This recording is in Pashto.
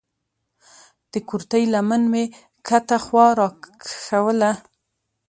د کورتۍ لمن مې کښته خوا راکښوله.